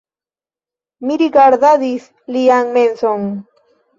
Mi rigardadis lian menson.